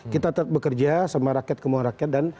kita bekerja sama rakyat kemauan rakyat dan